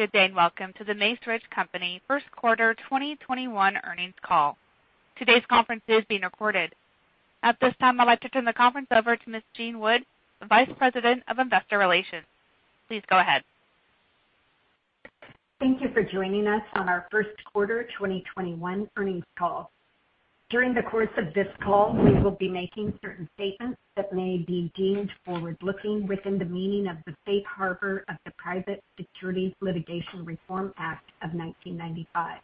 Good day, welcome to The Macerich Company First Quarter 2021 Earnings Call. Today's conference is being recorded. At this time, I'd like to turn the conference over to Ms. Jean Wood, the Vice President of Investor Relations. Please go ahead. Thank you for joining us on our first quarter 2021 earnings call. During the course of this call, we will be making certain statements that may be deemed forward-looking within the meaning of the Safe Harbor of the Private Securities Litigation Reform Act of 1995,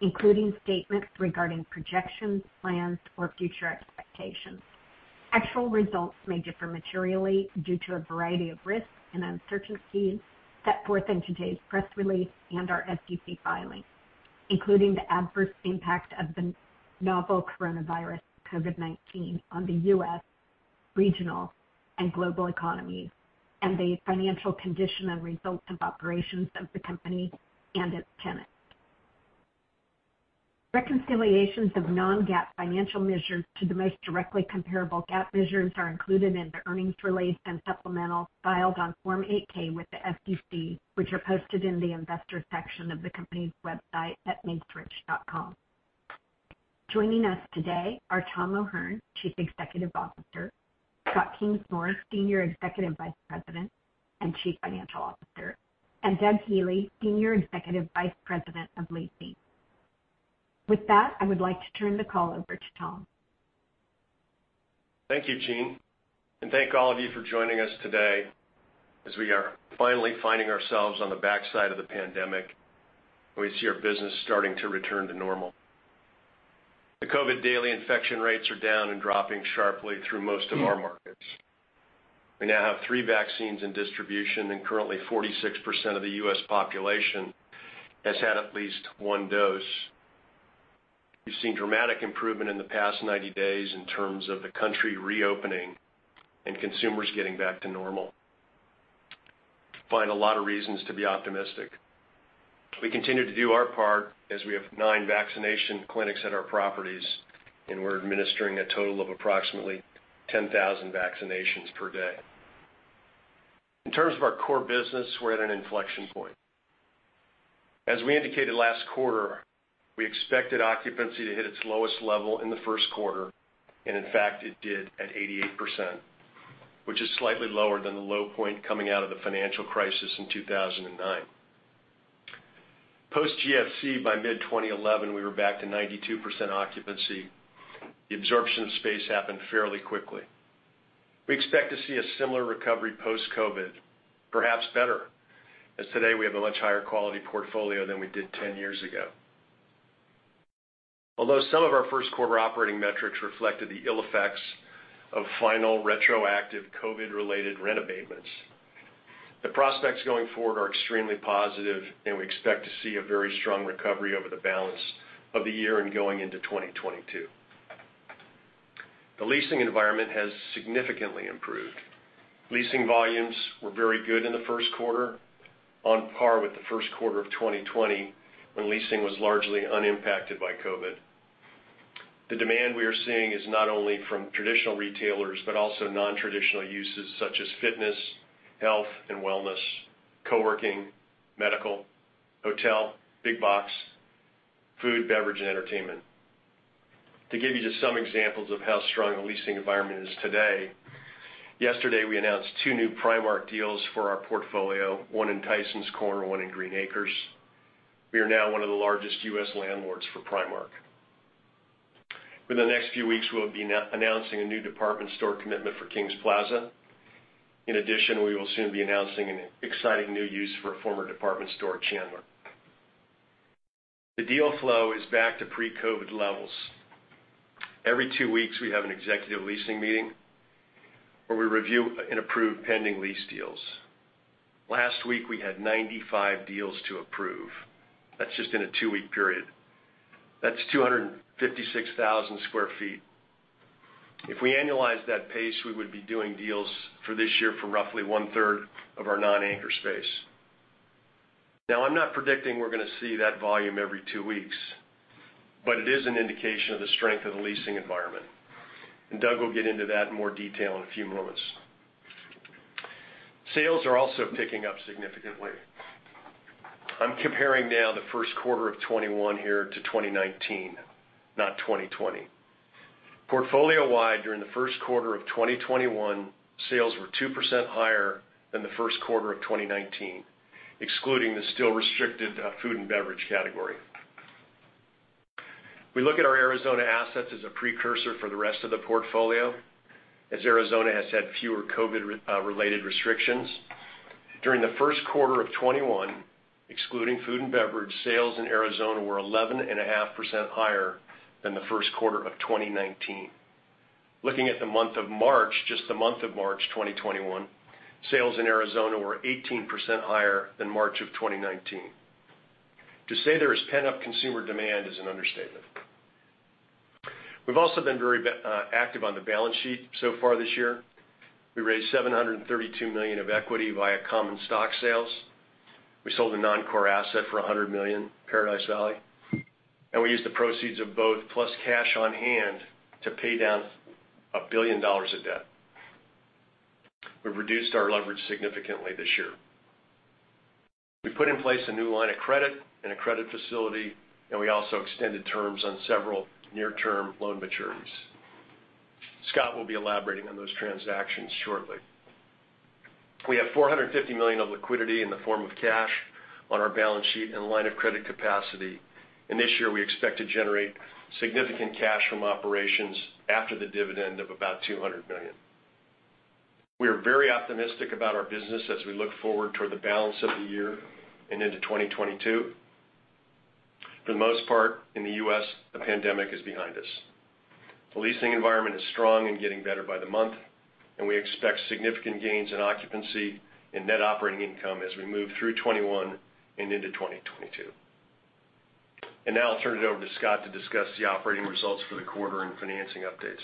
including statements regarding projections, plans, or future expectations. Actual results may differ materially due to a variety of risks and uncertainties set forth in today's press release and our SEC filings, including the adverse impact of the novel coronavirus, COVID-19, on the U.S., regional, and global economy, and the financial condition and results of operations of the company and its tenants. Reconciliations of non-GAAP financial measures to the most directly comparable GAAP measures are included in the earnings release and supplemental filed on Form 8-K with the SEC, which are posted in the investor section of the company's website at macerich.com. Joining us today are Thomas O'Hern, Chief Executive Officer, Scott Kingsmore, Senior Executive Vice President and Chief Financial Officer, and Doug Healey, Senior Executive Vice President of Leasing. With that, I would like to turn the call over to Tom. Thank you, Jean, and thank all of you for joining us today as we are finally finding ourselves on the backside of the pandemic. We see our business starting to return to normal. The COVID daily infection rates are down and dropping sharply through most of our markets. We now have three vaccines in distribution, and currently 46% of the U.S. population has had at least one dose. We've seen dramatic improvement in the past 90 days in terms of the country reopening and consumers getting back to normal. We find a lot of reasons to be optimistic. We continue to do our part as we have nine vaccination clinics at our properties, and we're administering a total of approximately 10,000 vaccinations per day. In terms of our core business, we're at an inflection point. As we indicated last quarter, we expected occupancy to hit its lowest level in the first quarter, and in fact, it did at 88%, which is slightly lower than the low point coming out of the financial crisis in 2009. Post GFC, by mid-2011, we were back to 92% occupancy. The absorption of space happened fairly quickly. We expect to see a similar recovery post-COVID, perhaps better, as today we have a much higher quality portfolio than we did 10 years ago. Although some of our first quarter operating metrics reflected the ill effects of final retroactive COVID-related rent abatements, the prospects going forward are extremely positive, and we expect to see a very strong recovery over the balance of the year and going into 2020. The leasing environment has significantly improved. Leasing volumes were very good in the first quarter, on par with the first quarter of 2020, when leasing was largely unimpacted by COVID. The demand we are seeing is not only from traditional retailers, but also non-traditional uses such as fitness, health and wellness, co-working, medical, hotel, big box, food, beverage, and entertainment. To give you just some examples of how strong the leasing environment is today, yesterday we announced two new Primark deals for our portfolio, one in Tysons Corner, one in Green Acres. We are now one of the largest U.S. landlords for Primark. Within the next few weeks, we'll be announcing a new department store commitment for Kings Plaza. In addition, we will soon be announcing an exciting new use for a former department store at Chandler. The deal flow is back to pre-COVID levels. Every two weeks, we have an executive leasing meeting where we review and approve pending lease deals. Last week, we had 95 deals to approve. That's just in a two-week period. That's 256,000 sq ft. If we annualize that pace, we would be doing deals for this year for roughly one-third of our non-anchor space. Now, I'm not predicting we're going to see that volume every two weeks, but it is an indication of the strength of the leasing environment, and Doug Healey will get into that in more detail in a few moments. Sales are also picking up significantly. I'm comparing now the first quarter of 2021 here to 2019, not 2020. Portfolio wide, during the first quarter of 2021, sales were 2% higher than the first quarter of 2019, excluding the still restricted, food and beverage category. We look at our Arizona assets as a precursor for the rest of the portfolio, as Arizona has had fewer COVID related restrictions. During the first quarter of 2021, excluding food and beverage, sales in Arizona were 11.5% higher than the first quarter of 2019. Looking at the month of March, just the month of March 2021, sales in Arizona were 18% higher than March of 2019. To say there is pent-up consumer demand is an understatement. We've also been very active on the balance sheet so far this year. We raised $732 million of equity via common stock sales. We sold a non-core asset for $100 million, Paradise Valley. We used the proceeds of both, plus cash on hand, to pay down $1 billion of debt. We've reduced our leverage significantly this year. We put in place a new line of credit and a credit facility. We also extended terms on several near-term loan maturities. Scott will be elaborating on those transactions shortly. We have $450 million of liquidity in the form of cash on our balance sheet and line of credit capacity. This year, we expect to generate significant cash from operations after the dividend of about $200 million. We are very optimistic about our business as we look forward toward the balance of the year and into 2022. For the most part, in the U.S., the pandemic is behind us. The leasing environment is strong and getting better by the month. We expect significant gains in occupancy and net operating income as we move through 2021 and into 2022. Now I'll turn it over to Scott to discuss the operating results for the quarter and financing updates.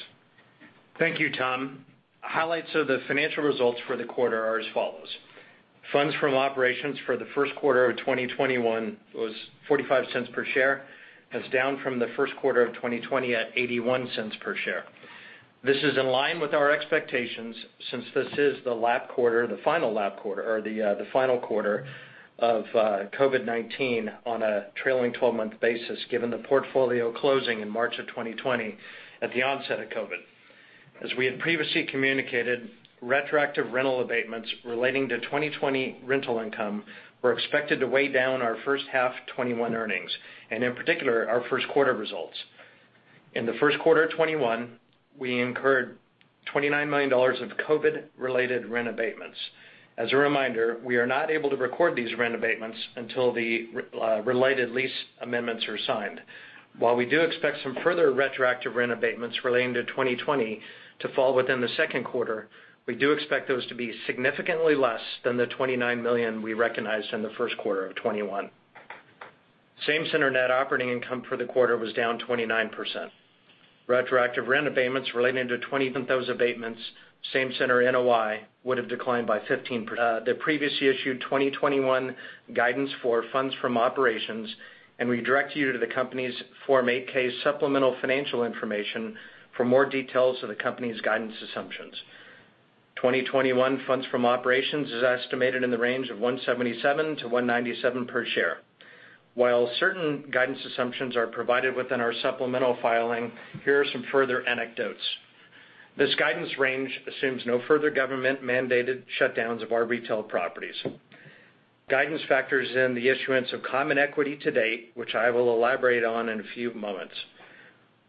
Thank you, Tom. Highlights of the financial results for the quarter are as follows. Funds from operations for the first quarter of 2021 was $0.45 per share. That's down from the first quarter of 2020 at $0.81 per share. This is in line with our expectations since this is the final quarter of COVID-19 on a trailing 12 month basis, given the portfolio closing in March of 2020 at the onset of COVID-19. As we had previously communicated, retroactive rental abatements relating to 2020 rental income were expected to weigh down our first half 2021 earnings, and in particular, our first quarter results. In the first quarter of 2021, we incurred $29 million of COVID-19-related rent abatements. As a reminder, we are not able to record these rent abatements until the related lease amendments are signed. While we do expect some further retroactive rent abatements relating to 2020 to fall within the second quarter, we do expect those to be significantly less than the $29 million we recognized in the first quarter of 2021. Same-center net operating income for the quarter was down 29%. [inaudible] same-center NOI would have declined by 15%. The previously issued 2021 guidance for funds from operations, and we direct you to the company's Form 8-K supplemental financial information for more details of the company's guidance assumptions. 2021 funds from operations is estimated in the range of $1.77 to $1.97 per share. While certain guidance assumptions are provided within our supplemental filing, here are some further anecdotes. This guidance range assumes no further government-mandated shutdowns of our retail properties. Guidance factors in the issuance of common equity to date, which I will elaborate on in a few moments.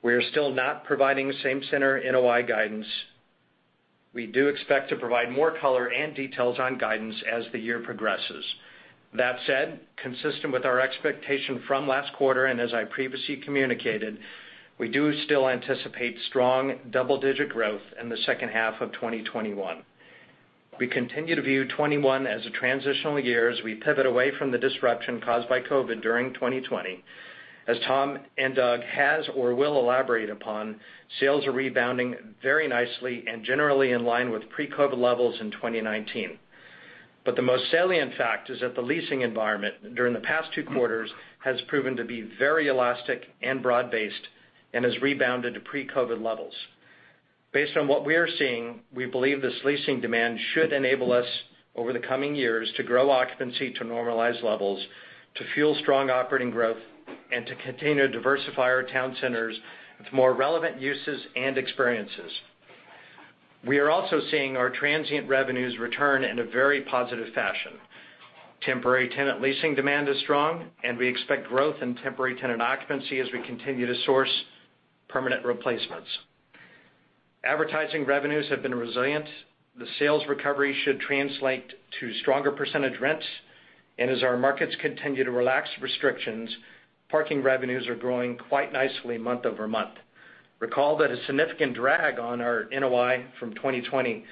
We are still not providing same-center NOI guidance. We do expect to provide more color and details on guidance as the year progresses. Consistent with our expectation from last quarter and as I previously communicated, we do still anticipate strong double-digit growth in the second half of 2021. We continue to view 2021 as a transitional year as we pivot away from the disruption caused by COVID during 2020. As Thomas O'Hern and Doug Healey has or will elaborate upon, sales are rebounding very nicely and generally in line with pre-COVID levels in 2019. The most salient fact is that the leasing environment during the past two quarters has proven to be very elastic and broad-based and has rebounded to pre-COVID levels. Based on what we are seeing, we believe this leasing demand should enable us over the coming years to grow occupancy to normalized levels, to fuel strong operating growth, and to continue to diversify our town centers with more relevant uses and experiences. We are also seeing our transient revenues return in a very positive fashion. Temporary tenant leasing demand is strong, and we expect growth in temporary tenant occupancy as we continue to source permanent replacements. Advertising revenues have been resilient. The sales recovery should translate to stronger percentage rents. As our markets continue to relax restrictions, parking revenues are growing quite nicely month-over-month. Recall that a significant drag on our NOI from 2020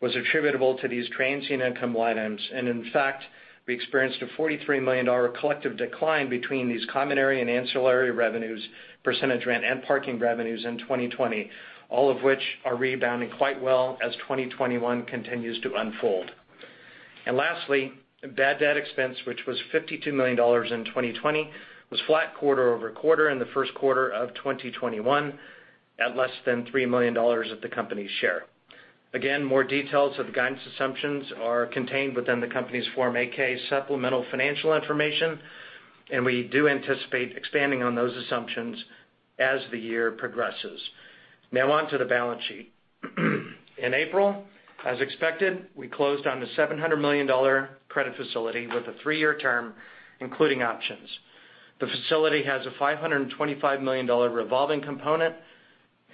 was attributable to these transient income line items, and in fact, we experienced a $43 million collective decline between these common area and ancillary revenues, percentage rent, and parking revenues in 2020, all of which are rebounding quite well as 2021 continues to unfold. And lastly, bad debt expense, which was $52 million in 2020, was flat quarter-over-quarter in the first quarter of 2021, at less than $3 million at the company's share. Again, more details of the guidance assumptions are contained within the company's Form 8-K supplemental financial information, and we do anticipate expanding on those assumptions as the year progresses. Now on to the balance sheet. In April, as expected, we closed on the $700 million credit facility with a three-year term, including options. The facility has a $525 million revolving component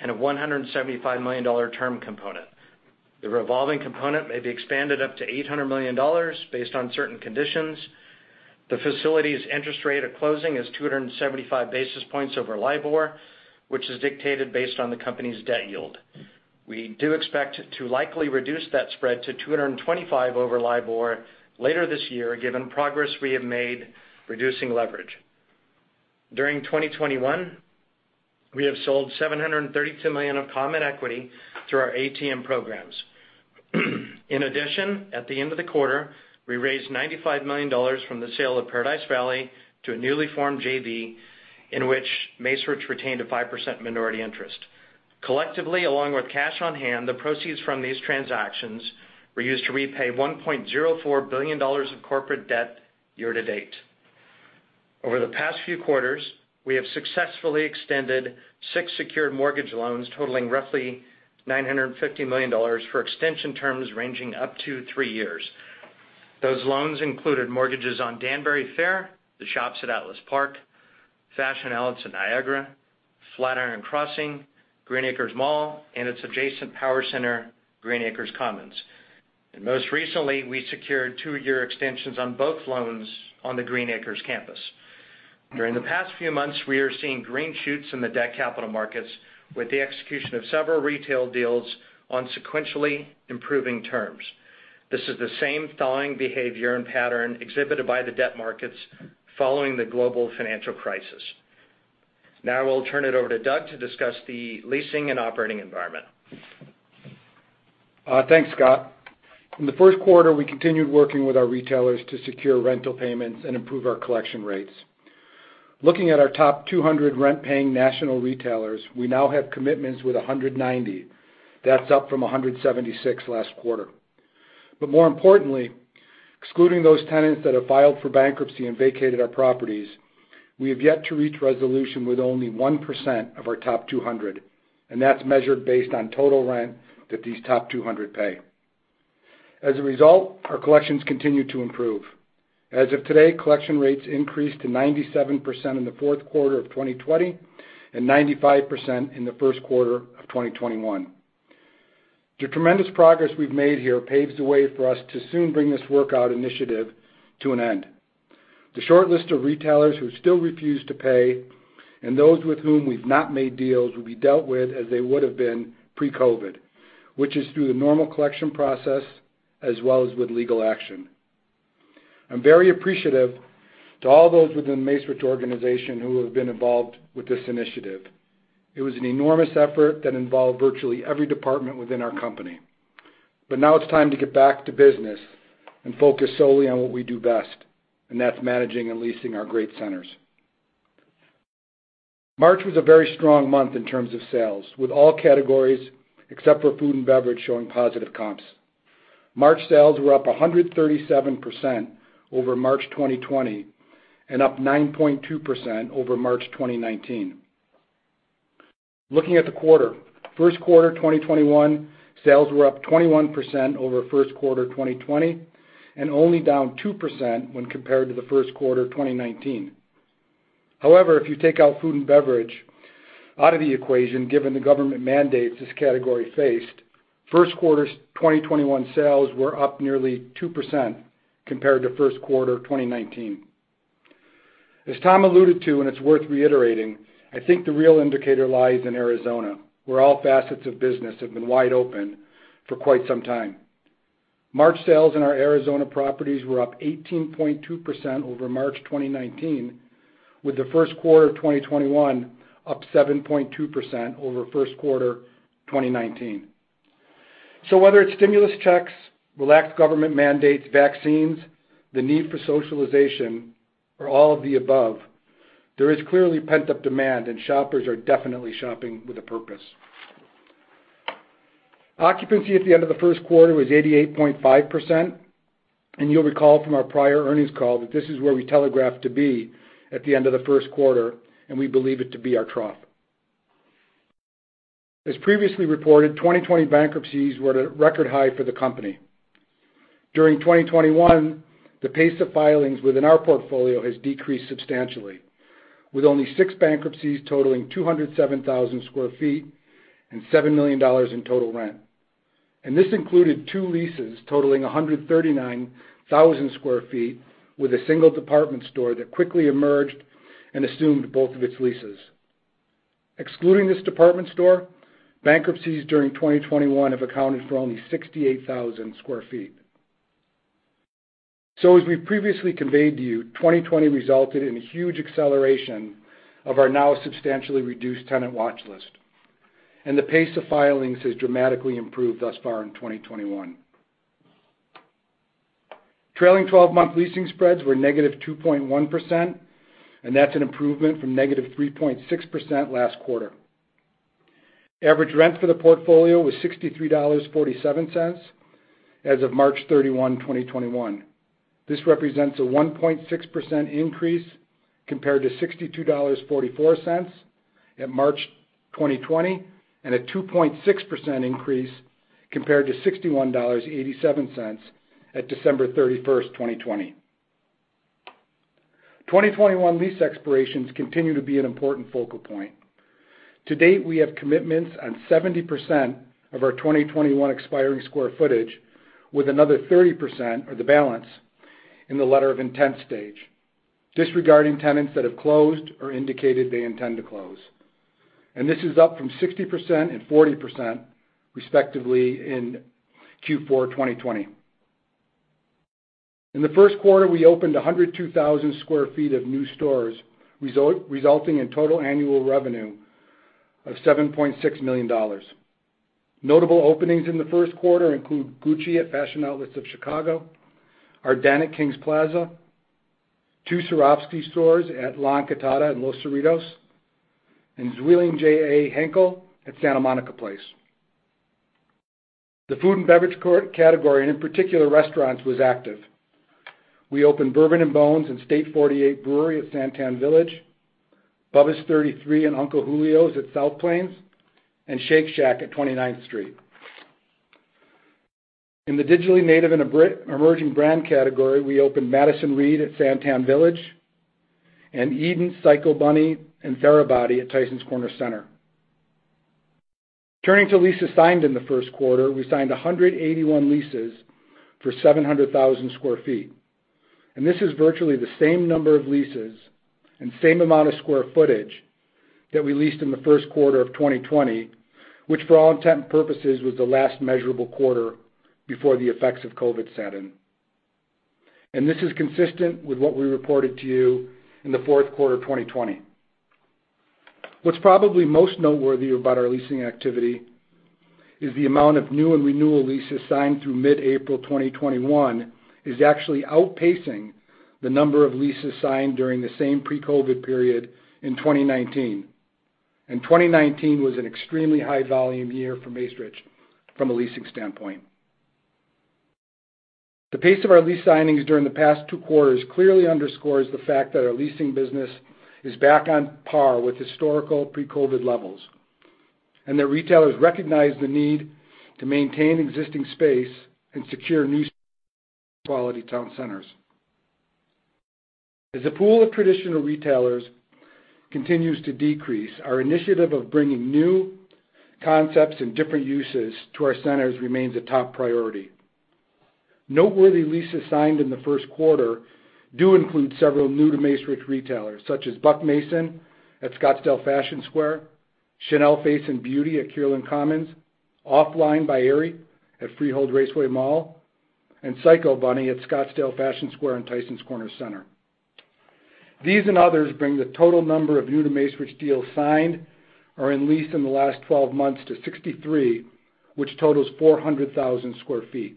and a $175 million term component. The revolving component may be expanded up to $800 million based on certain conditions. The facility's interest rate at closing is 275 basis points over LIBOR, which is dictated based on the company's debt yield. We do expect to likely reduce that spread to 225 over LIBOR later this year, given progress we have made reducing leverage. During 2021, we have sold $732 million of common equity through our ATM programs. In addition, at the end of the quarter, we raised $95 million from the sale of Paradise Valley to a newly formed JV, in which Macerich retained a 5% minority interest. Collectively, along with cash on hand, the proceeds from these transactions were used to repay $1.04 billion of corporate debt year to date. Over the past few quarters, we have successfully extended six secured mortgage loans totaling roughly $950 million for extension terms ranging up to three years. Those loans included mortgages on Danbury Fair, The Shops at Atlas Park, Fashion Outlets at Niagara, Flatiron Crossing, Green Acres Mall, and its adjacent power center, Green Acres Commons. Most recently, we secured two-year extensions on both loans on the Green Acres campus. During the past few months, we are seeing green shoots in the debt capital markets with the execution of several retail deals on sequentially improving terms. This is the same thawing behavior and pattern exhibited by the debt markets following the global financial crisis. Now I will turn it over to Doug to discuss the leasing and operating environment. Thanks, Scott. In the first quarter, we continued working with our retailers to secure rental payments and improve our collection rates. Looking at our top 200 rent-paying national retailers, we now have commitments with 190. That's up from 176 last quarter. More importantly, excluding those tenants that have filed for bankruptcy and vacated our properties, we have yet to reach resolution with only 1% of our top 200, and that's measured based on total rent that these top 200 pay. As a result, our collections continue to improve. As of today, collection rates increased to 97% in the fourth quarter of 2020 and 95% in the first quarter of 2021. The tremendous progress we've made here paves the way for us to soon bring this workout initiative to an end. The short list of retailers who still refuse to pay and those with whom we've not made deals will be dealt with as they would've been pre-COVID, which is through the normal collection process as well as with legal action. I'm very appreciative to all those within the Macerich organization who have been involved with this initiative. It was an enormous effort that involved virtually every department within our company. Now it's time to get back to business and focus solely on what we do best, and that's managing and leasing our great centers. March was a very strong month in terms of sales, with all categories except for food and beverage showing positive comps. March sales were up 137% over March 2020 and up 9.2% over March 2019. Looking at the quarter, first quarter 2021 sales were up 21% over first quarter 2020 and only down 2% when compared to the first quarter 2019. If you take out food and beverage out of the equation, given the government mandates this category faced, first quarter 2021 sales were up nearly 2% compared to first quarter 2019. As Tom alluded to, and it's worth reiterating, I think the real indicator lies in Arizona, where all facets of business have been wide open for quite some time. March sales in our Arizona properties were up 18.2% over March 2019, with the first quarter of 2021 up 7.2% over first quarter 2019. Whether it's stimulus checks, relaxed government mandates, vaccines, the need for socialization, or all of the above, there is clearly pent-up demand, and shoppers are definitely shopping with a purpose. Occupancy at the end of the first quarter was 88.5%. You'll recall from our prior earnings call that this is where we telegraphed to be at the end of the first quarter, and we believe it to be our trough. As previously reported, 2020 bankruptcies were at a record high for the company. During 2021, the pace of filings within our portfolio has decreased substantially, with only six bankruptcies totaling 207,000 sq ft and $7 million in total rent. This included two leases totaling 139,000 sq ft with a single department store that quickly emerged and assumed both of its leases. Excluding this department store, bankruptcies during 2021 have accounted for only 68,000 sq ft. As we previously conveyed to you, 2020 resulted in a huge acceleration of our now substantially reduced tenant watch list, and the pace of filings has dramatically improved thus far in 2021. Trailing 12-month leasing spreads were -2.1%, and that's an improvement from -3.6% last quarter. Average rent for the portfolio was $63.47 as of March 31st, 2021. This represents a 1.6% increase compared to $62.44 at March 2020 and a 2.6% increase compared to $61.87 at December 31st, 2020. 2021 lease expirations continue to be an important focal point. To date, we have commitments on 70% of our 2021 expiring square footage, with another 30%, or the balance, in the letter of intent stage, disregarding tenants that have closed or indicated they intend to close. This is up from 60% and 40%, respectively, in Q4 2020. In the first quarter, we opened 102,000 sq ft of new stores, resulting in total annual revenue of $7.6 million. Notable openings in the first quarter include Gucci at Fashion Outlets of Chicago, Ardene at Kings Plaza, 2 Swarovski stores at La Encantada and Los Cerritos, and ZWILLING J.A. Henckels at Santa Monica Place. The food and beverage category, and in particular, restaurants, was active. We opened Bourbon & Bones and State 48 Brewery at SanTan Village, Bubba's 33 and Uncle Julio's at South Plains, and Shake Shack at 29th Street. In the digitally native and emerging brand category, we opened Madison Reed at SanTan Village, and 3DEN, Psycho Bunny, and Therabody at Tysons Corner Center. Turning to leases signed in the first quarter, we signed 181 leases for 700,000 sq ft. This is virtually the same number of leases and same amount of square footage that we leased in the first quarter of 2020, which for all intent and purposes, was the last measurable quarter before the effects of COVID set in. This is consistent with what we reported to you in the fourth quarter of 2020. What's probably most noteworthy about our leasing activity is the amount of new and renewal leases signed through mid April 2021 is actually outpacing the number of leases signed during the same pre-COVID period in 2019. 2019 was an extremely high volume year for Macerich from a leasing standpoint. The pace of our lease signings during the past two quarters clearly underscores the fact that our leasing business is back on par with historical pre-COVID levels, and that retailers recognize the need to maintain existing space and secure new quality town centers. As the pool of traditional retailers continues to decrease, our initiative of bringing new concepts and different uses to our centers remains a top priority. Noteworthy leases signed in the first quarter do include several new-to-Macerich retailers such as Buck Mason at Scottsdale Fashion Square, Chanel Face and Beauty at Kierland Commons, OFFLINE by Aerie at Freehold Raceway Mall, and Psycho Bunny at Scottsdale Fashion Square and Tysons Corner Center. These, and others bring the total number of new-to-Macerich deals signed or in lease in the last 12 months to 63, which totals 400,000 sq ft.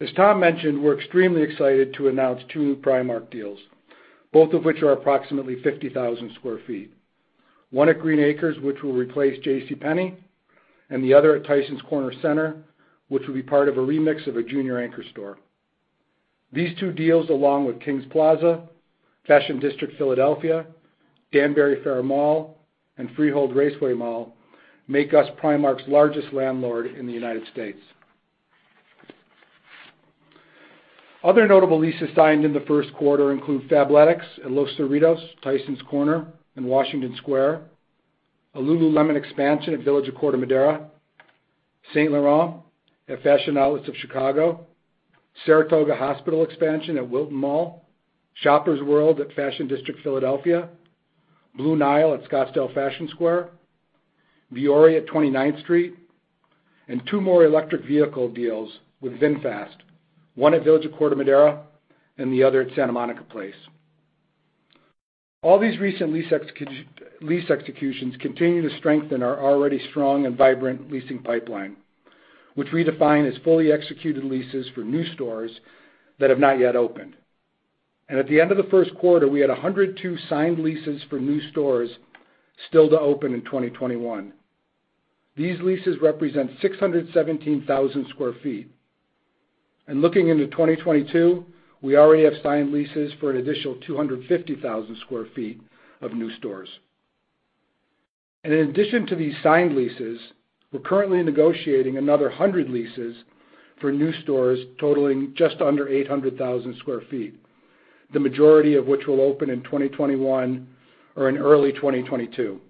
As Tom mentioned, we're extremely excited to announce two new Primark deals, both of which are approximately 50,000 sq ft. One at Green Acres, which will replace JCPenney, and the other at Tysons Corner Center, which will be part of a remix of a junior anchor store. These two deals, along with Kings Plaza, Fashion District Philadelphia, Danbury Fair Mall, and Freehold Raceway Mall, make us Primark's largest landlord in the U.S. Other notable leases signed in the first quarter include Fabletics at Los Cerritos, Tysons Corner, and Washington Square. A Lululemon expansion at Village at Corte Madera. Saint Laurent at Fashion Outlets of Chicago. Saratoga Hospital expansion at Wilton Mall. Shoppers World at Fashion District Philadelphia. Blue Nile at Scottsdale Fashion Square. Vuori at 29th Street. Two more electric vehicle deals with VinFast, one at Village at Corte Madera, and the other at Santa Monica Place. All these recent lease executions continue to strengthen our already strong and vibrant leasing pipeline, which we define as fully executed leases for new stores that have not yet opened. At the end of the first quarter, we had 102 signed leases for new stores still to open in 2021. These leases represent 617,000 sq ft. Looking into 2022, we already have signed leases for an additional 250,000 sq ft of new stores. In addition to these signed leases, we're currently negotiating another 100 leases for new stores totaling just under 800,000 sq ft. The majority of which will open in 2021 or in early 2022.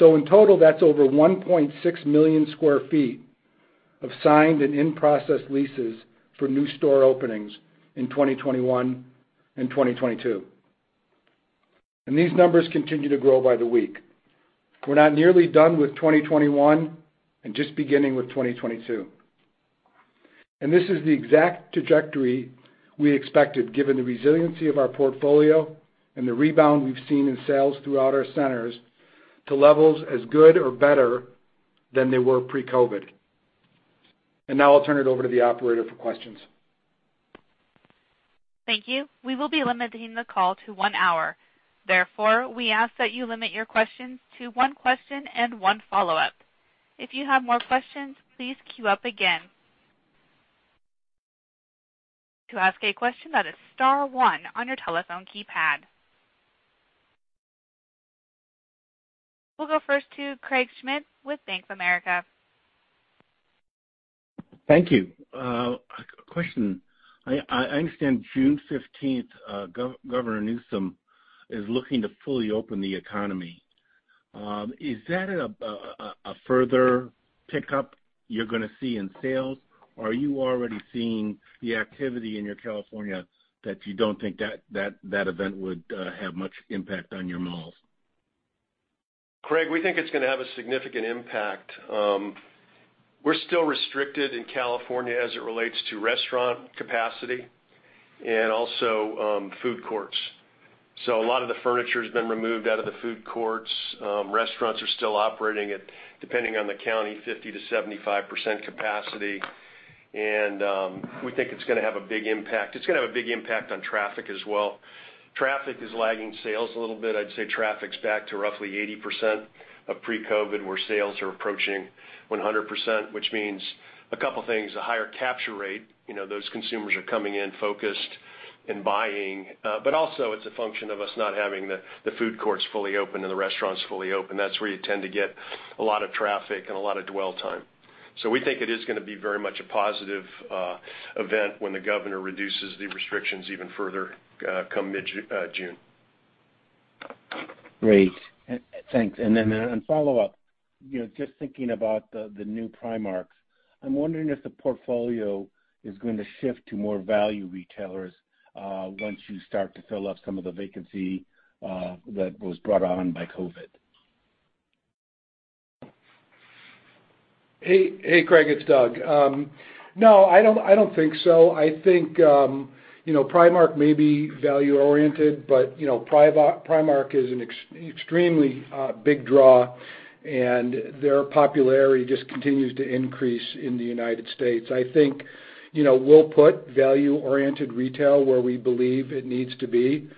In total, that's over 1.6 million sq ft of signed and in-process leases for new store openings in 2021 and 2022. These numbers continue to grow by the week. We're not nearly done with 2021 and just beginning with 2022. This is the exact trajectory we expected given the resiliency of our portfolio and the rebound we've seen in sales throughout our centers to levels as good or better than they were pre-COVID. Now I'll turn it over to the operator for questions. Thank you. We will be limiting the call to one hour. Therefore, we ask that you limit your questions to one question and one follow-up. If you have more questions, please queue up again. To ask a question, that is star one on your telephone keypad. We'll go first to Craig Schmidt with Bank of America. Thank you. A question. I understand June 15th, Governor Newsom is looking to fully open the economy. Is that a further pickup you're going to see in sales? Are you already seeing the activity in your California that you don't think that event would have much impact on your malls? Craig, we think it's going to have a significant impact. We're still restricted in California as it relates to restaurant capacity and also food courts. A lot of the furniture has been removed out of the food courts. Restaurants are still operating at, depending on the county, 50%-75% capacity. We think it's going to have a big impact. It's going to have a big impact on traffic as well. Traffic is lagging sales a little bit. I'd say traffic's back to roughly 80% of pre-COVID, where sales are approaching 100%, which means a couple of things, a higher capture rate, those consumers are coming in focused and buying. Also it's a function of us not having the food courts fully open and the restaurants fully open. That's where you tend to get a lot of traffic and a lot of dwell time. We think it is going to be very much a positive event when the governor reduces the restrictions even further, come mid-June. Great. Thanks. On follow-up, just thinking about the new Primarks, I'm wondering if the portfolio is going to shift to more value retailers once you start to fill up some of the vacancy that was brought on by COVID. Hey, Craig, it's Doug. No, I don't think so. I think Primark may be value oriented, but Primark is an extremely big draw, and their popularity just continues to increase in the U.S. I think we'll put value-oriented retail where we believe it needs to be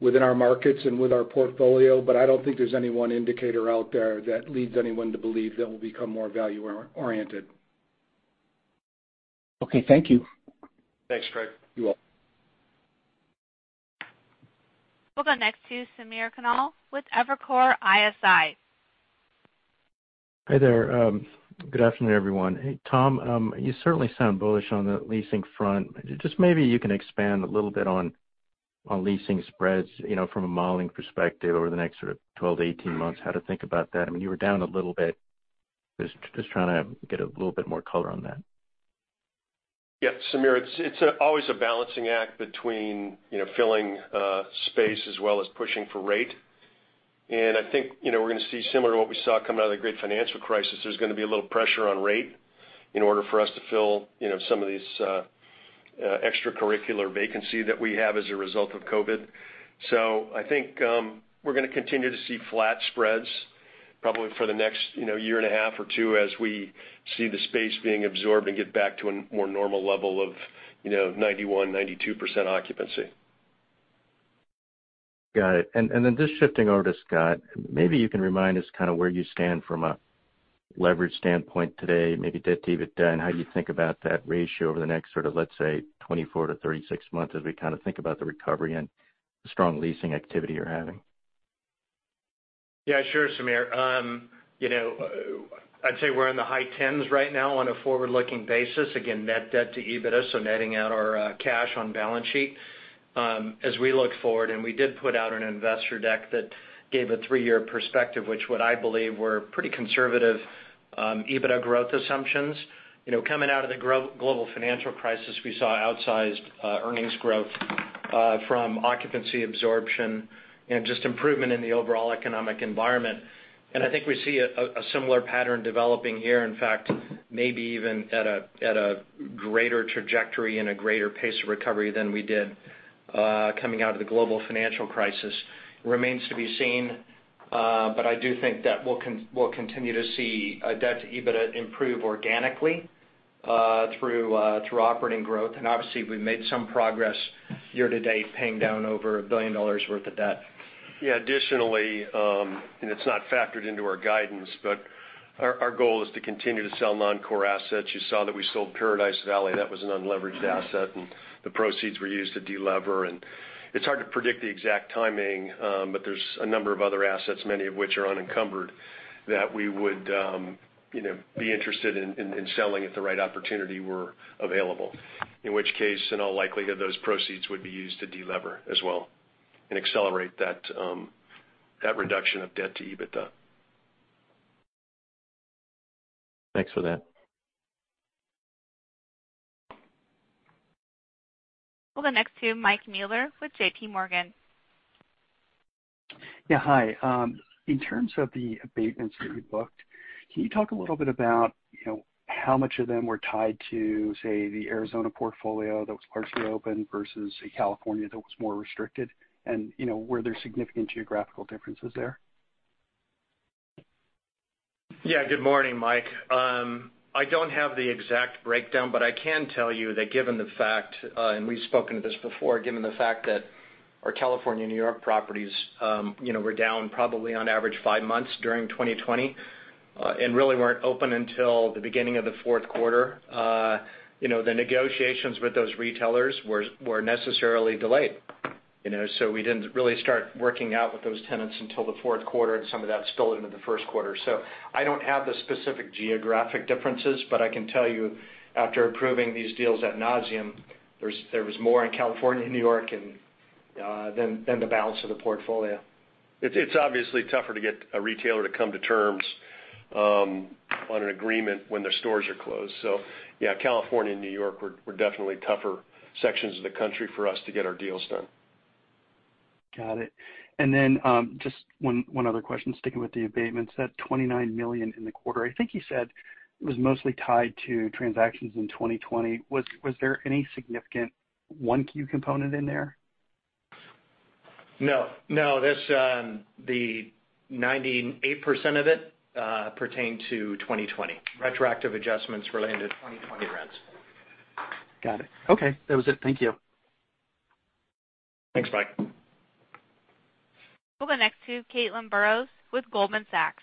within our markets and with our portfolio, but I don't think there's any one indicator out there that leads anyone to believe that we'll become more value oriented. Okay, thank you. Thanks, Craig. You're welcome. We'll go next to Samir Khanal with Evercore ISI. Hi there. Good afternoon, everyone. Hey, Tom. You certainly sound bullish on the leasing front. Just maybe you can expand a little bit on leasing spreads from a modeling perspective over the next sort of 12-18 months, how to think about that. I mean, you were down a little bit. Just trying to get a little bit more color on that. Yeah, Samir, it's always a balancing act between filling space as well as pushing for rate. I think we're going to see similar to what we saw coming out of the Great Financial Crisis, there's going to be a little pressure on rate in order for us to fill some of these extracurricular vacancy that we have as a result of COVID. I think we're going to continue to see flat spreads probably for the next year and a half or two, as we see the space being absorbed and get back to a more normal level of 91%, 92% occupancy. Got it. Just shifting over to Scott, maybe you can remind us kind of where you stand from a leverage standpoint today, maybe debt to EBITDA, and how you think about that ratio over the next sort of, let's say, 24 to 36 months as we kind of think about the recovery and the strong leasing activity you're having. Yeah, sure, Samir. I'd say we're in the high tens right now on a forward-looking basis. Again, net debt to EBITDA, so netting out our cash on balance sheet. As we look forward, we did put out an investor deck that gave a three year perspective, which what I believe were pretty conservative EBITDA growth assumptions. Coming out of the global financial crisis, we saw outsized earnings growth from occupancy absorption and just improvement in the overall economic environment. I think we see a similar pattern developing here. In fact, maybe even at a greater trajectory and a greater pace of recovery than we did coming out of the global financial crisis. Remains to be seen, I do think that we'll continue to see debt to EBITDA improve organically through operating growth. Obviously we've made some progress year to date, paying down over $1 billion worth of debt. Yeah. Additionally, and it's not factored into our guidance, but our goal is to continue to sell non-core assets. You saw that we sold Paradise Valley. That was an unleveraged asset, and the proceeds were used to de-lever. It's hard to predict the exact timing, but there's a number of other assets, many of which are unencumbered, that we would be interested in selling if the right opportunity were available. In which case, in all likelihood, those proceeds would be used to de-lever as well and accelerate that reduction of debt to EBITDA. Thanks for that. We'll go next to Mike Mueller with JPMorgan. Yeah, hi. In terms of the abatements that you booked, can you talk a little bit about how much of them were tied to, say, the Arizona portfolio that was partially open versus California that was more restricted, and were there significant geographical differences there? Yeah. Good morning, Mike. I don't have the exact breakdown, but I can tell you that given the fact, and we've spoken to this before, given the fact that our California, New York properties were down probably on average five months during 2020, and really weren't open until the beginning of the fourth quarter. The negotiations with those retailers were necessarily delayed. We didn't really start working out with those tenants until the fourth quarter, and some of that spilled into the first quarter. I don't have the specific geographic differences, but I can tell you, after approving these deals at nauseam, there was more in California, New York than the balance of the portfolio. It's obviously tougher to get a retailer to come to terms on an agreement when their stores are closed. Yeah, California and New York were definitely tougher sections of the country for us to get our deals done. Got it. Just one other question, sticking with the abatements. That $29 million in the quarter, I think you said it was mostly tied to transactions in 2020. Was there any significant 1Q component in there? No. 98% of it pertained to 2020, retroactive adjustments related to 2020 rents. Got it. Okay. That was it. Thank you. Thanks, Mike. We'll go next to Caitlin Burrows with Goldman Sachs.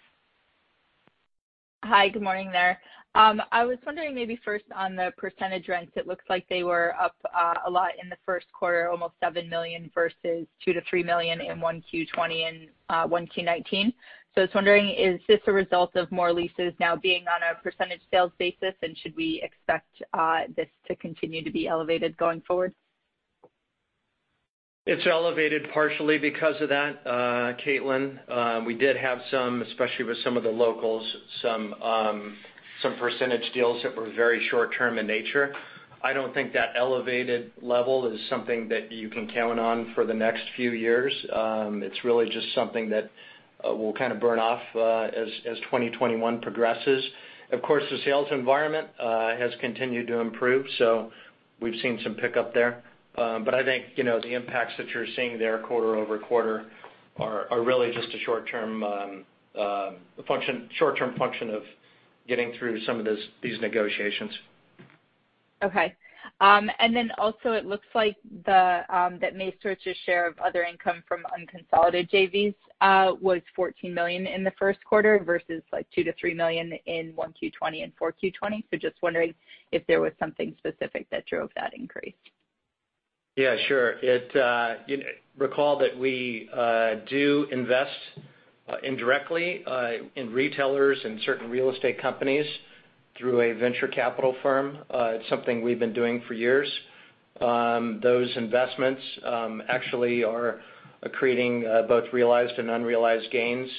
Hi. Good morning there. I was wondering maybe first on the percentage rents, it looks like they were up a lot in the first quarter, almost $7 million versus $2 million to $3 million in 1Q 2020 and 1Q 2019. I was wondering, is this a result of more leases now being on a percentage sales basis, and should we expect this to continue to be elevated going forward? It's elevated partially because of that, Caitlin. We did have some, especially with some of the locals, some short-term percentage deals that were very short-term in nature. I don't think that elevated level is something that you can count on for the next few years. It's really just something that will kind of burn off as 2021 progresses. Of course, the sales environment has continued to improve. We've seen some pickup there. I think, the impacts that you're seeing there quarter-over-quarter are really just a short-term function of getting through some of these negotiations. Okay. It looks like that Macerich's share of other income from unconsolidated JVs was $14 million in the first quarter versus $2 million to $3 million in 1Q 2020 and 4Q 2020. Just wondering if there was something specific that drove that increase. Yeah, sure. Recall that we do invest indirectly in retailers and certain real estate companies through a venture capital firm. It's something we've been doing for years. Those investments actually are creating both realized and unrealized gains.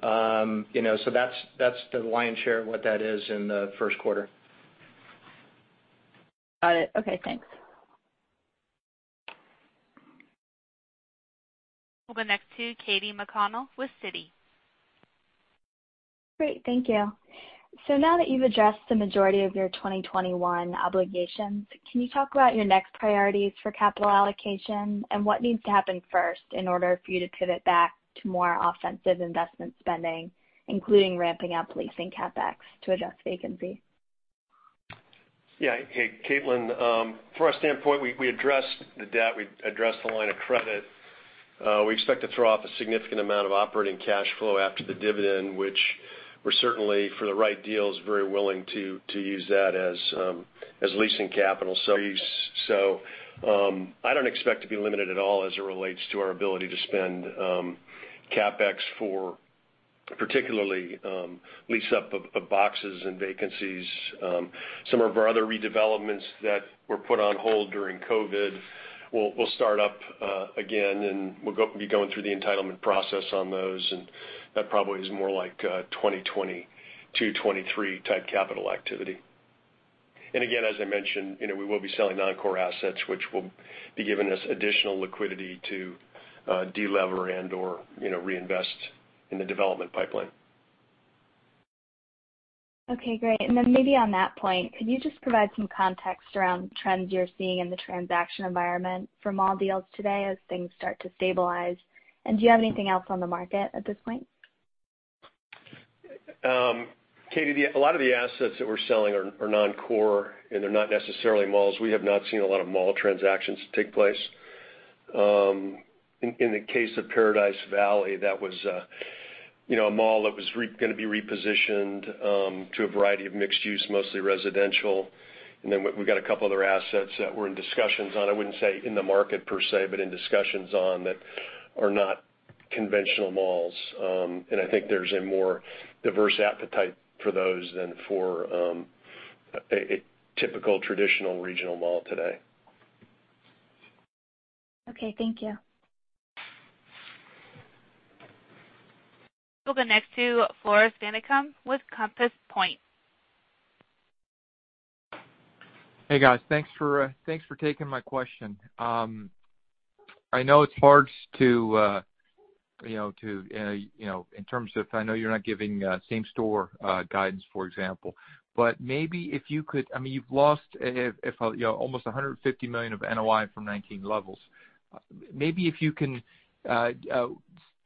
That's the lion's share of what that is in the first quarter. Got it. Okay, thanks. We'll go next to Katy McConnell with Citi. Great. Thank you. Now that you've addressed the majority of your 2021 obligations, can you talk about your next priorities for capital allocation and what needs to happen first in order for you to pivot back to more offensive investment spending, including ramping up leasing CapEx to adjust vacancy? Yeah. Hey, Katy. From our standpoint, we addressed the debt, we addressed the line of credit. We expect to throw off a significant amount of operating cash flow after the dividend, which we're certainly, for the right deals, very willing to use that as leasing capital. I don't expect to be limited at all as it relates to our ability to spend CapEx for particularly lease up of boxes and vacancies. Some of our other redevelopments that were put on hold during COVID will start up again, and we'll be going through the entitlement process on those, and that probably is more like a 2022, 2023 type capital activity. Again, as I mentioned, we will be selling non-core assets, which will be giving us additional liquidity to de-lever and/or reinvest in the development pipeline. Okay, great. Maybe on that point, could you just provide some context around trends you're seeing in the transaction environment from all deals today as things start to stabilize? Do you have anything else on the market at this point? Katy, a lot of the assets that we're selling are non-core, and they're not necessarily malls. We have not seen a lot of mall transactions take place. In the case of Paradise Valley, that was a mall that was going to be repositioned to a variety of mixed use, mostly residential. We've got a couple other assets that we're in discussions on, I wouldn't say in the market per se, but in discussions on that are not conventional malls. I think there's a more diverse appetite for those than for a typical, traditional regional mall today. Okay, thank you. We'll go next to Floris van Dijkum with Compass Point. Hey, guys. Thanks for taking my question. I know it's hard to, in terms of, I know you're not giving same store guidance, for example, but maybe if you could. You've lost almost $150 million of NOI from 2019 levels. Maybe if you can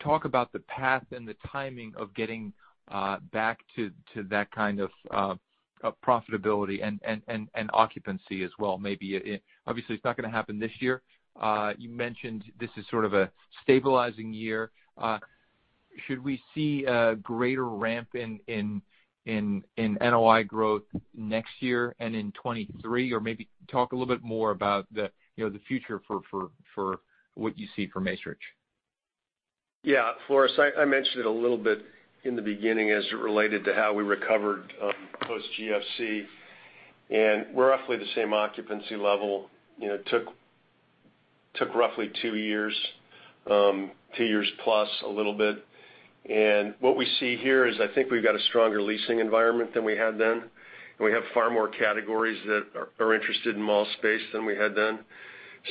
talk about the path and the timing of getting back to that kind of profitability and occupancy as well. Obviously, it's not going to happen this year. You mentioned this is sort of a stabilizing year. Should we see a greater ramp in NOI growth next year and in 2023? Maybe talk a little bit more about the future for what you see for Macerich. Yeah. Floris, I mentioned it a little bit in the beginning as it related to how we recovered post GFC, and we're roughly the same occupancy level. It took roughly two years plus a little bit. What we see here is, I think we've got a stronger leasing environment than we had then, and we have far more categories that are interested in mall space than we had then.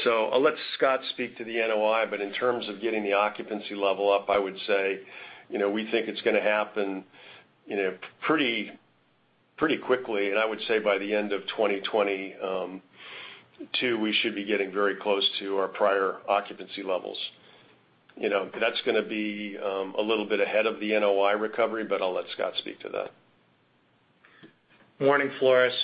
I'll let Scott speak to the NOI, but in terms of getting the occupancy level up, I would say, we think it's going to happen pretty quickly, and I would say by the end of 2022, we should be getting very close to our prior occupancy levels. That's going to be a little bit ahead of the NOI recovery, but I'll let Scott speak to that. Morning, Floris.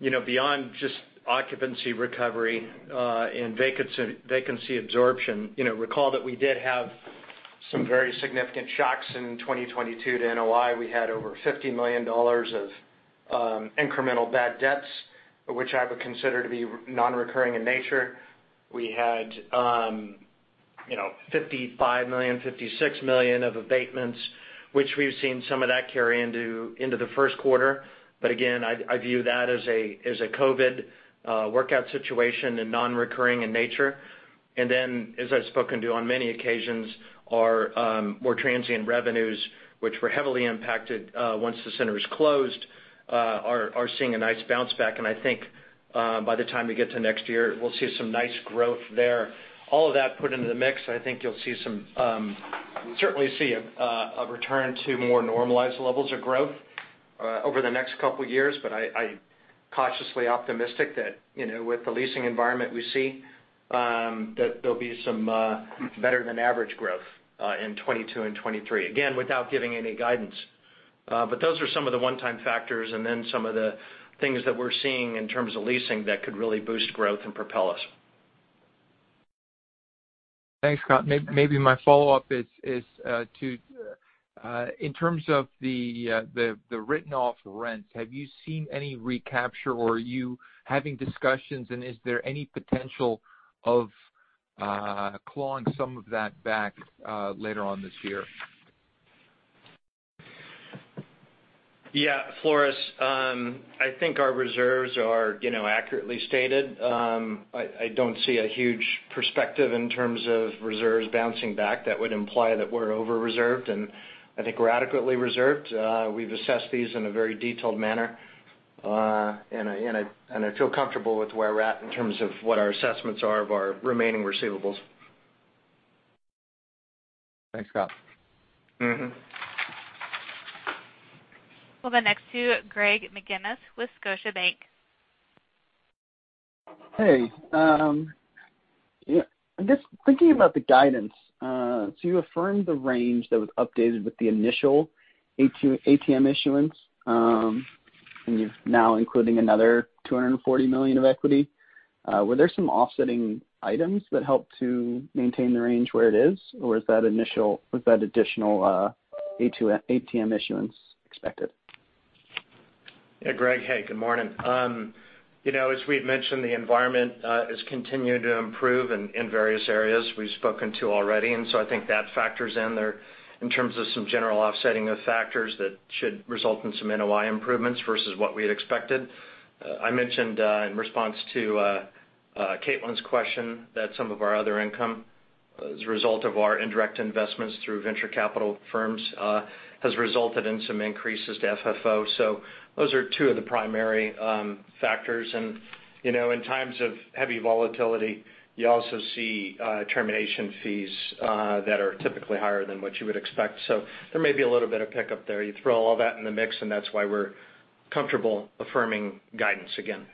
Beyond just occupancy recovery and vacancy absorption, recall that we did have some very significant shocks in 2022 to NOI. We had over $50 million of incremental bad debts, which I would consider to be non-recurring in nature. We had, $55 million, $56 million of abatements, which we've seen some of that carry into the first quarter. Again, I view that as a COVID workout situation and non-recurring in nature. As I've spoken to on many occasions, our more transient revenues, which were heavily impacted once the centers closed, are seeing a nice bounce back. I think, by the time we get to next year, we'll see some nice growth there. All of that put into the mix, I think you'll certainly see a return to more normalized levels of growth over the next couple of years. I am cautiously optimistic that with the leasing environment we see, that there'll be some better than average growth in 2022 and 2023, again, without giving any guidance. Those are some of the one-time factors and then some of the things that we're seeing in terms of leasing that could really boost growth and propel us. Thanks, Scott. Maybe my follow-up is, in terms of the written off rents, have you seen any recapture or are you having discussions, and is there any potential of clawing some of that back later on this year? Yeah, Floris. I think our reserves are accurately stated. I don't see a huge perspective in terms of reserves bouncing back. That would imply that we're over-reserved. I think we're adequately reserved. We've assessed these in a very detailed manner. I feel comfortable with where we're at in terms of what our assessments are of our remaining receivables. Thanks, Scott. We'll go next to Greg McGinniss with Scotiabank. Hey. Just thinking about the guidance, you affirmed the range that was updated with the initial ATM issuance, and you're now including another $240 million of equity. Were there some offsetting items that helped to maintain the range where it is, or is that additional ATM issuance expected? Yeah, Greg. Hey, good morning. As we had mentioned, the environment has continued to improve in various areas we've spoken to already, I think that factors in there in terms of some general offsetting of factors that should result in some NOI improvements versus what we had expected. I mentioned in response to Caitlin's question that some of our other income, as a result of our indirect investments through venture capital firms has resulted in some increases to FFO. Those are two of the primary factors. In times of heavy volatility, you also see termination fees that are typically higher than what you would expect. There may be a little bit of pickup there. You throw all that in the mix, and that's why we're comfortable affirming guidance again.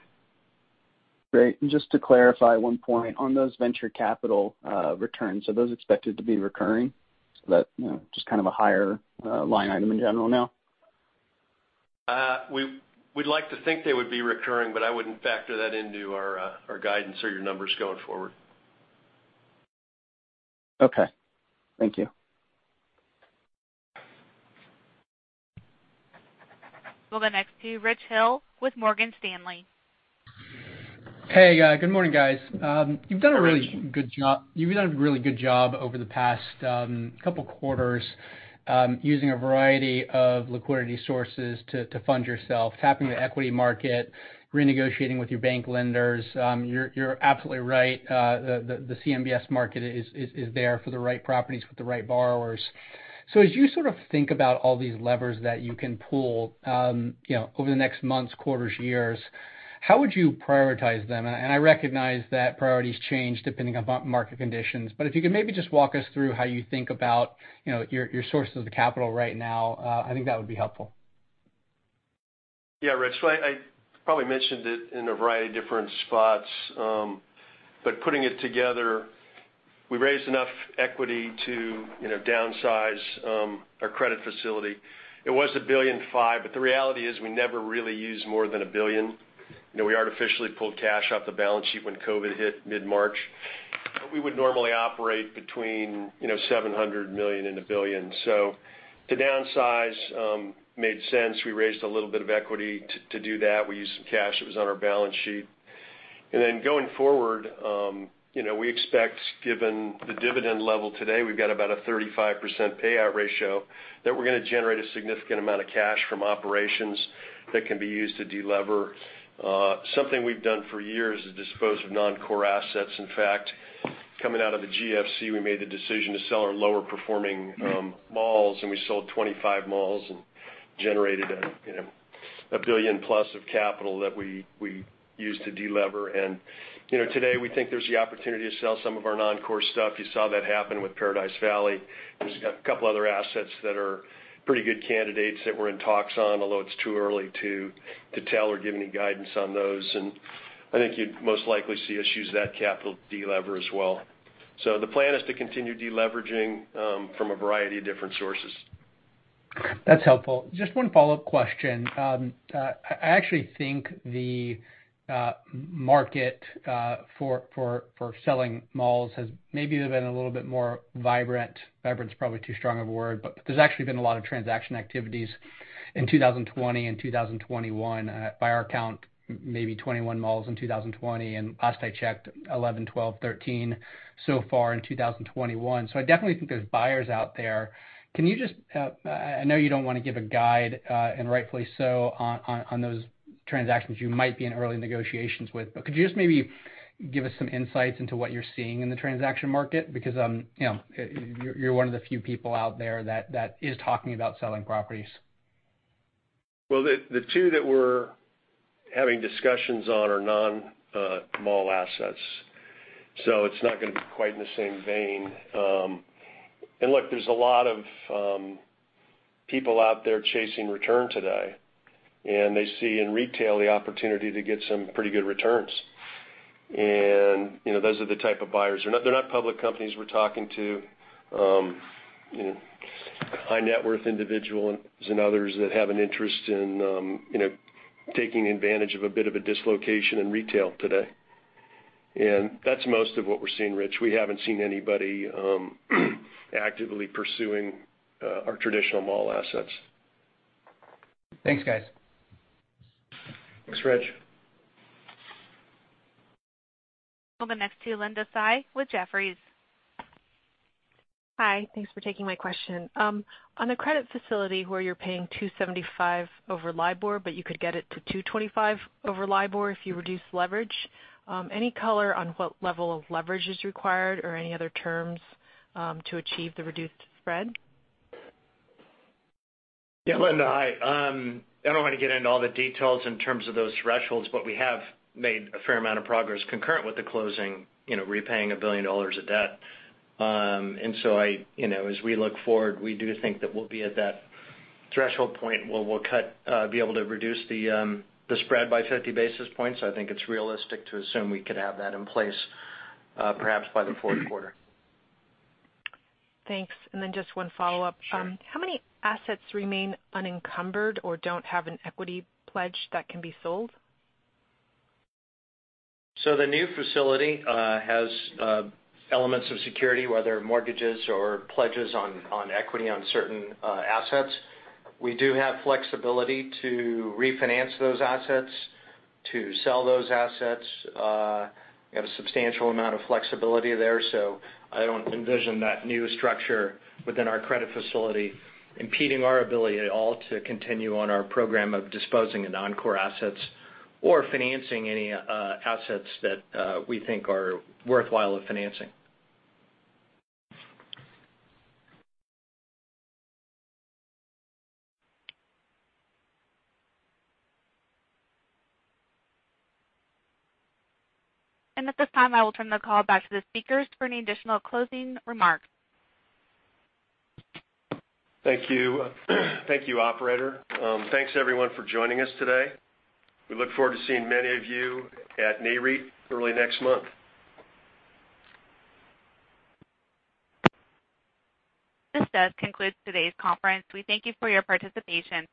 Great. Just to clarify one point, on those venture capital returns, are those expected to be recurring? Is that just kind of a higher line item in general now? We'd like to think they would be recurring, but I wouldn't factor that into our guidance or your numbers going forward. Okay. Thank you. We'll go next to Rich Hill with Morgan Stanley. Hey, good morning, guys. You've done a really good job over the past couple quarters using a variety of liquidity sources to fund yourself, tapping the equity market, renegotiating with your bank lenders. You're absolutely right. The CMBS market is there for the right properties with the right borrowers. As you sort of think about all these levers that you can pull over the next months, quarters, years, how would you prioritize them? I recognize that priorities change depending upon market conditions, if you could maybe just walk us through how you think about your sources of capital right now, I think that would be helpful. Yeah, Rich. I probably mentioned it in a variety of different spots. Putting it together, we raised enough equity to downsize our credit facility. It was $1.5 billion, but the reality is we never really used more than $1 billion. We artificially pulled cash off the balance sheet when COVID hit mid-March. We would normally operate between $700 million and $1 billion. To downsize made sense. We raised a little bit of equity to do that. We used some cash that was on our balance sheet. Going forward, we expect, given the dividend level today, we've got about a 35% payout ratio, that we're going to generate a significant amount of cash from operations that can be used to de-lever. Something we've done for years is dispose of non-core assets. In fact, coming out of the GFC, we made the decision to sell our lower performing malls. We sold 25 malls and generated a billion-plus of capital that we used to de-lever. Today, we think there's the opportunity to sell some of our non-core stuff. You saw that happen with Paradise Valley. There's a couple other assets that are pretty good candidates that we're in talks on, although it's too early to tell or give any guidance on those. I think you'd most likely see us use that capital to de-lever as well. The plan is to continue de-leveraging from a variety of different sources. That's helpful. Just one follow-up question. I actually think the market for selling malls has maybe been a little bit more vibrant. Vibrant's probably too strong of a word, but there's actually been a lot of transaction activities in 2020 and 2021. By our count, maybe 21 malls in 2020, and last I checked, 11, 12, 13 so far in 2021. I definitely think there's buyers out there. I know you don't want to give a guide, and rightfully so, on those transactions you might be in early negotiations with. Could you just maybe give us some insights into what you're seeing in the transaction market? Because you're one of the few people out there that is talking about selling properties. Well, the two that we're having discussions on are non-mall assets, so it's not going to be quite in the same vein. Look, there's a lot of people out there chasing return today, and they see in retail the opportunity to get some pretty good returns. Those are the type of buyers. They're not public companies we're talking to. High net worth individuals and others that have an interest in taking advantage of a bit of a dislocation in retail today. That's most of what we're seeing, Richard Hill. We haven't seen anybody actively pursuing our traditional mall assets. Thanks, guys. Thanks, Rich. We'll go next to Linda Tsai with Jefferies. Hi. Thanks for taking my question. On the credit facility where you're paying 275 over LIBOR, you could get it to 225 over LIBOR if you reduce leverage, any color on what level of leverage is required or any other terms to achieve the reduced spread? Yeah, Linda, hi. I don't want to get into all the details in terms of those thresholds. We have made a fair amount of progress concurrent with the closing, repaying $1 billion of debt. As we look forward, we do think that we'll be at that threshold point where we'll be able to reduce the spread by 50 basis points. I think it's realistic to assume we could have that in place perhaps by the fourth quarter. Thanks. Just one follow-up. How many assets remain unencumbered or don't have an equity pledge that can be sold? The new facility has elements of security, whether mortgages or pledges on equity on certain assets. We do have flexibility to refinance those assets, to sell those assets, we have a substantial amount of flexibility there. I don't envision that new structure within our credit facility impeding our ability at all to continue on our program of disposing of non-core assets or financing any assets that we think are worthwhile of financing. At this time, I will turn the call back to the speakers for any additional closing remarks. Thank you. Thank you, operator. Thanks, everyone, for joining us today. We look forward to seeing many of you at Nareit early next month. This does conclude today's conference. We thank you for your participation.